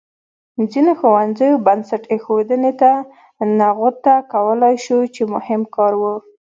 ځینو ښوونځیو بنسټ ایښودنې ته نغوته کولای شو چې مهم کار و.